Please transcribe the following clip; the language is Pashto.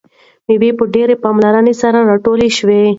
میوه په ډیرې پاملرنې سره راټوله شوه.